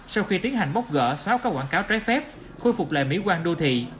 sau khi tiến hành bóc gỡ xóa các quảng cáo trái phép khôi phục lại mỹ quan đô thị